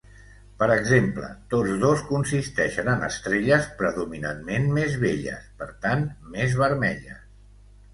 Per exemple, tots dos consisteixen en estrelles predominantment més velles, per tant, més vermelles.